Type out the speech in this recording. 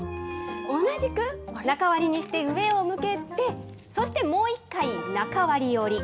同じく中割りにして上を向けて、そしてもう一回中割折り。